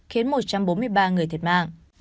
khiến một trăm bốn mươi ba người thiệt mạng